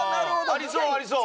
ありそう、ありそう。